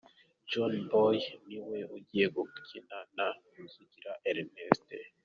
John Boye niwe uri gukinana na Sugira Ernest.